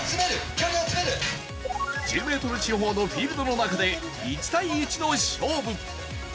１０ｍ四方のフィールドの中で１対１の勝負！